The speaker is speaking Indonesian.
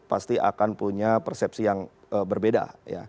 pasti akan punya persepsi yang berbeda